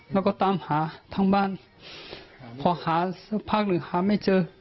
แล้วก็ตามหาทั้งบ้านเพราะพ้อหาสักภาคหนึ่งฮาไม่เจอ